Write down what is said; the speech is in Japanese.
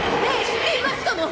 知っていますとも！